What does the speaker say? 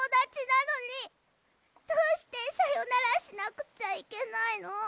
どうしてさよならしなくちゃいけないの？